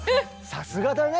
さすがだね！